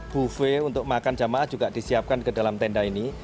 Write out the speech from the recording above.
buffet untuk makan jemaah juga di siapkan di dalam tenda ini